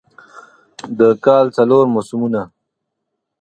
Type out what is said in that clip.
د کال څلور موسمونه